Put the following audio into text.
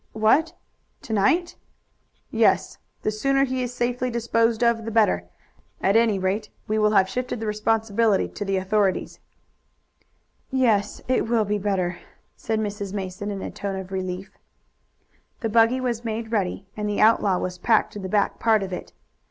"What, to night?" "Yes; the sooner he is safely disposed of the better; at any rate we will have shifted the responsibility to the authorities." "Yes, it will be better," said Mrs. Mason in a tone of relief. The buggy was made ready, and the outlaw was packed in the back part of it.